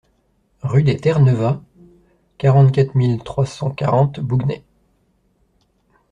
Rue des Terres-Neuvas, quarante-quatre mille trois cent quarante Bouguenais